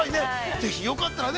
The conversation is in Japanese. ぜひ、よかったらね